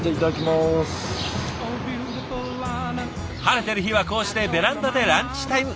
晴れてる日はこうしてベランダでランチタイム。